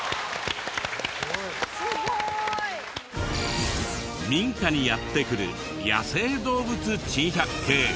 すごい！民家にやって来る野生動物珍百景。